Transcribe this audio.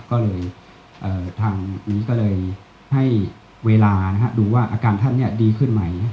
ก็เลยทางนี้ก็เลยให้เวลาดูว่าอาการท่านดีขึ้นไหม